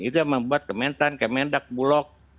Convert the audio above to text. itu yang membuat kementan kemendak bulog